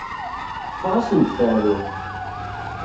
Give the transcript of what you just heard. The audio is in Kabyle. Teffeɣ-asen-d teεrurt.